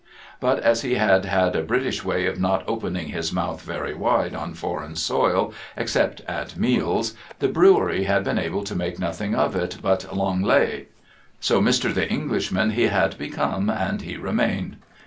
But as he had a British way of not opening his mouth very wide on foreign soil, except at meals, the Brewery had been able to make nothing of it but L' Anglais. So Mr. The Englishman he had become and he remained.